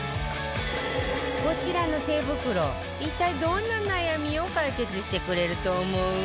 こちらの手袋一体どんな悩みを解決してくれると思う？